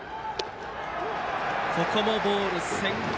ここもボール先行。